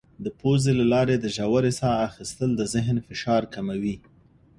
د پوزې له لارې د ژورې ساه اخیستل د ذهن فشار کموي.